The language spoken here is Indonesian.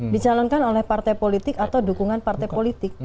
dicalonkan oleh partai politik atau dukungan partai politik